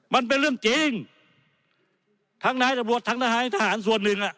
มันเป็นเรื่องจริงทั้งนายตำรวจทั้งนายทหารส่วนหนึ่งอ่ะ